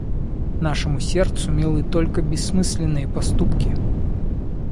Нашему сердцу милы только бессмысленные поступки.